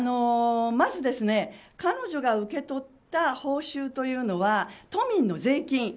まず、彼女が受け取った報酬というのは都民の税金。